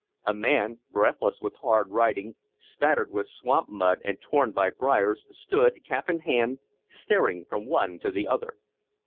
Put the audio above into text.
A man, breathless with hard riding, spattered with swamp mud and torn by briers, stood, cap in hand, staring from one to the other.